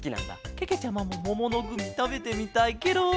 けけちゃまももものグミたべてみたいケロ。